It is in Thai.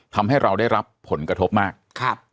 ทำให้เราได้รับผลกระทบมากครับ